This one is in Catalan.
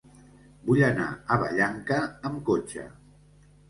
Vull anar a Vallanca amb cotxe.